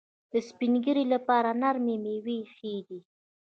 د سپین ږیرو لپاره نرمې میوې ښې دي.